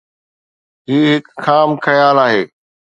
هي هڪ خام خيال آهي.